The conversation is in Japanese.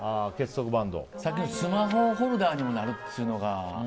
さっきのスマホホルダーにもなるっていうのが。